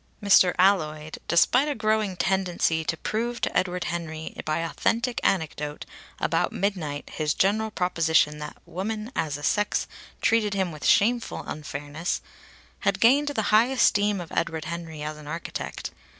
Mr. Alloyd, despite a growing tendency to prove to Edward Henry by authentic anecdote about midnight his general proposition that women as a sex treated him with shameful unfairness, had gained the high esteem of Edward Henry as an architect.